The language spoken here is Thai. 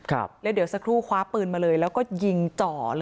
ครับแล้วเดี๋ยวสักครู่คว้าปืนมาเลยแล้วก็ยิงจ่อเลย